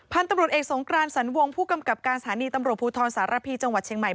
พันธุ์ตำรวจเอกสงกรานสันวงผู้กำกับการสถานีตำรวจภูทรสารพีจังหวัดเชียงใหม่